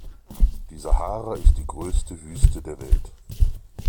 Die Sahara ist die größte Wüste der Welt.